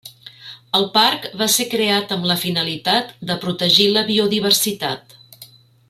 El parc va ser creat amb la finalitat de protegir la biodiversitat.